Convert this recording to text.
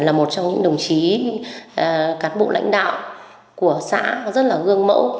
là một trong những đồng chí cán bộ lãnh đạo của xã rất là gương mẫu